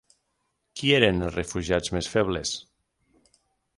Qui eren els refugiats més febles?